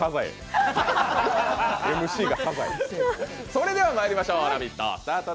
それではまいりましょう、「ラヴィット！」